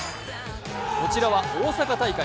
こちらは大阪大会。